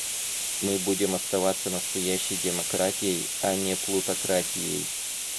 Мы будем оставаться настоящей демократией, а не плутократией.